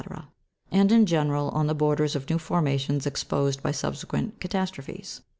and, in general, on the borders of new formations exposed by sub sequent catastrophes.